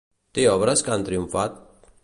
Té obres que han triomfat?